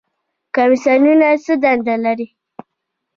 کمیسیونونه څه دنده لري؟